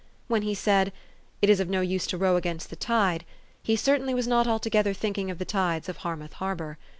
When he said, "It is of no use to row against the tide," he certainly was not altogether thinking of the tides of Harmouth Harbor.